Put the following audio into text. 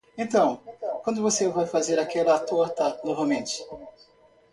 Então, quando você vai fazer aquela torta novamente?